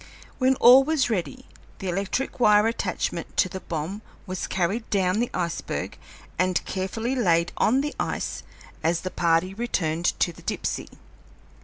When all was ready, the electric wire attachment to the bomb was carried down the iceberg and carefully laid on the ice as the party returned to the Dipsey.